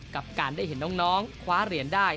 กับการได้เห็นน้องคว้าเหรียญได้